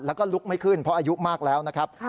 แล้วก็ลุกไม่ขึ้นเพราะอายุมากแล้วนะครับ